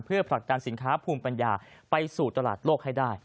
เพื่อผลักดันสินค้าภูมิปัญญาไปสู่ตลาดโลกให้ได้